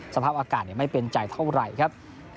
สภาพอากาศไม่เป็นใจเท่าไหร่ครับ